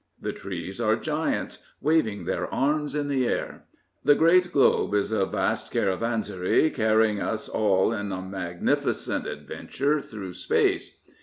The trees are giants waving their arms in the air. The great globe is a vast caravanserai carry ing us all on a magnificent adventure through space.